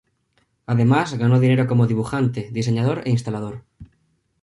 Además, ganó dinero como dibujante, diseñador e instalador.